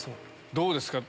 どうですか？